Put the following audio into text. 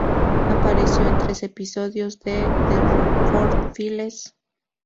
Apareció en tres episodios de "The Rockford Files".